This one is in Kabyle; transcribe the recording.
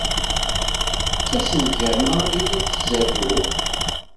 D tasengama i la izerrew.